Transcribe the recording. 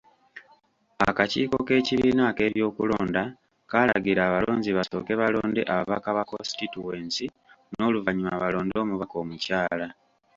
Akakiiko k'ekibiina ak'ebyokulonda kaalagira abalonzi basooke balonde ababaka ba Kositityuwensi n'oluvannyuma balonde Omubaka omukyala.